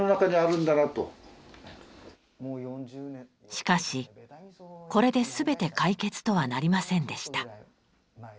しかしこれで全て解決とはなりませんでした。